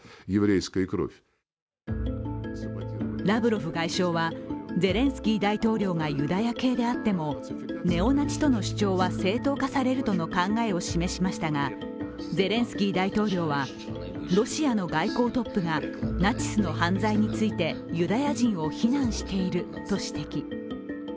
ラブロフ外相はゼレンスキー大統領がユダヤ系であってもネオナチとの主張は正当化されるとの考えを示しましたが、ゼレンスキー大統領は、ロシアの外交トップがナチスの犯罪についてユダヤ人を非難していると指摘。